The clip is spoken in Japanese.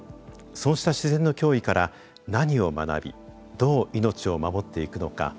そうした自然の脅威から何を学びどう命を守っていくのか。